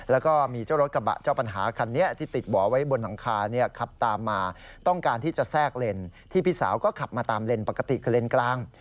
แล้วก็มีเจ้ารถกระบะเจ้าปัญหาคันนี้ที่ติดบ่อไว้บนหลังคาเนี่ยขับตามมาต้องการที่จะแทรกเลนที่พี่สาวก็ขับมาตามเลนปกติคือเลนกลาง